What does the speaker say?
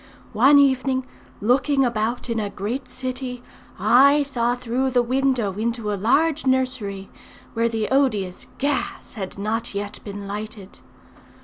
One evening, looking about in a great city, I saw through the window into a large nursery, where the odious gas had not yet been lighted.